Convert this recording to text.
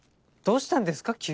どうしたんですか？